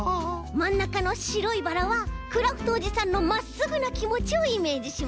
まんなかのしろいバラはクラフトおじさんのまっすぐなきもちをイメージしました。